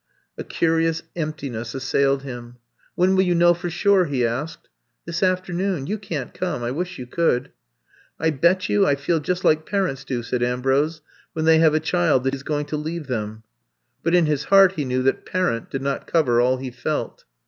A curious emptiness assailed him. When will you know for suref he asked. ^*This afternoon. You can't come — I wish you could.'* *^ I bet you, I feel just like parents do, '' said Ambrose, when they have a child that is going to leave them.'' But in his heart he knew that parent did not cover all he felt.